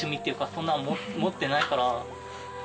そんなん持ってないから。